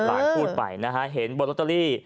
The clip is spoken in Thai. พูดไปนะฮะเห็นบนลอตเตอรี่